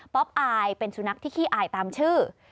อายเป็นสุนัขที่ขี้อายตามชื่อ